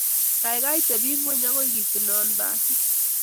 Kaikai tebing'ony akoi kitinon basit .